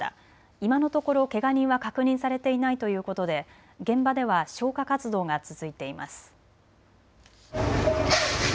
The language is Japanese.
今のところけが人は確認されていないということで現場では消火活動が続いています。